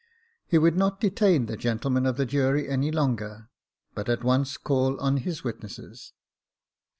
He would not detain the gentlemen of the jury any longer, but at once call on his witnesses.